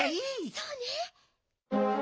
そうね。